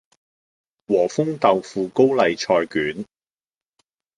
和風豆腐高麗菜卷